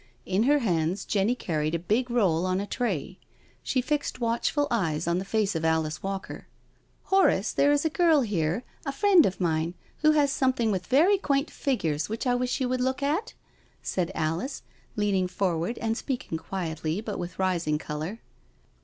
In her hands Jenny carried a big roll on a tray. She fixed watchful eyes on the face of Alice Walker. *' Horace, there is a girl here, a friend of mine, who has something with very quaint figures which I wish you would look at?" said Alice, leaning forward and speaking quietly, but with rising colour.